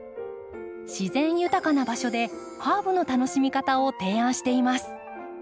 自然豊かな場所でハーブの楽しみ方を提案しています。